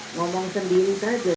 ngomong sendiri saja